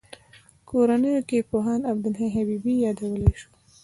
کورنیو کې پوهاند عبدالحی حبیبي یادولای شو.